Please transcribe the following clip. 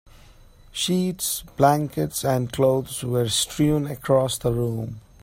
Sheets, blankets, and clothes were strewn across the room.